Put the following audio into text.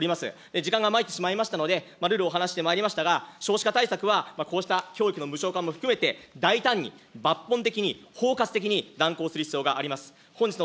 時間がまいってしまいましたので、るるお話してまいりましたが、こうした教育の無償化も含めて、大胆に抜本的に包括的に断行する必要があります。